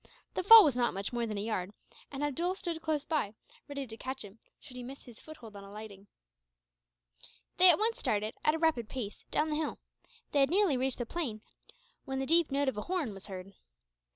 The fall was not much more than a yard; and Abdool stood close by, ready to catch him, should he miss his foothold on alighting. They at once started, at a rapid pace, down the hill. They had nearly reached the plain when the deep note of a horn was heard.